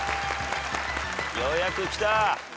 ようやくきた。